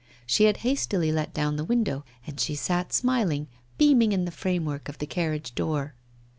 She had hastily let down the window, and she sat smiling, beaming in the frame work of the carriage door.